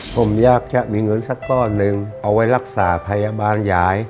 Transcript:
ผมอยากจะมีเงินสักก้อนหนึ่งเอาไว้รักษาพยาบาลยาย